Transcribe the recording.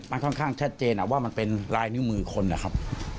มันค่อนข้างชัดเจนว่ามันเป็นลายนิ้วมือคนนะครับ